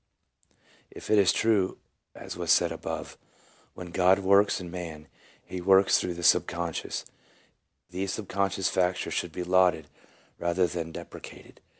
If it is true, as was said above, when God works in man He works through the sub conscious, these sub conscious factors should be lauded rather than depre cated.